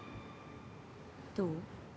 どう？